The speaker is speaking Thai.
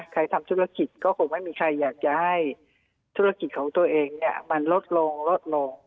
ทำธุรกิจก็คงไม่มีใครอยากจะให้ธุรกิจของตัวเองเนี่ยมันลดลงลดลง